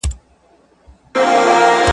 • توره هغه ده چي په لاس درغله.